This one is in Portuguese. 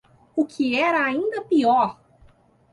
O que era ainda pior